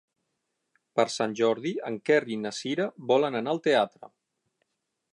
Per Sant Jordi en Quer i na Cira volen anar al teatre.